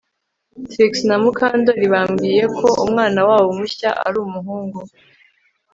Trix na Mukandoli bambwiye ko umwana wabo mushya ari umuhungu